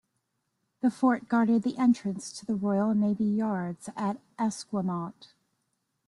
The Fort guarded the entrance to the Royal Navy yards at Esquimalt.